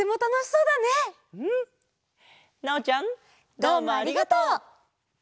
どうもありがとう！